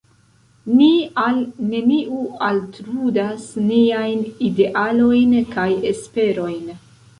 Ni al neniu altrudas niajn idealoin kaj esperojn.